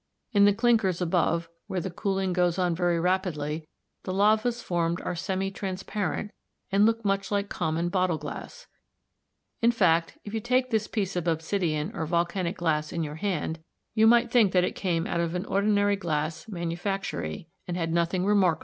In the clinkers above, where the cooling goes on very rapidly, the lavas formed are semi transparent and look much like common bottle glass. In fact, if you take this piece of obsidian or volcanic glass in your hand, you might think that it had come out of an ordinary glass manufactory and had nothing remarkable in it.